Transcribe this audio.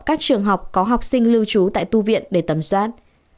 các trường học có học sinh lưu trú tại tu viện để tầm soát